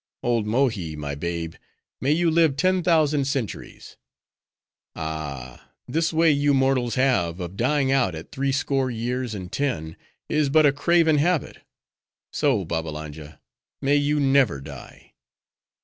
Old Mohi, my babe, may you live ten thousand centuries! Ah! this way you mortals have of dying out at three score years and ten, is but a craven habit. So, Babbalanja! may you never die.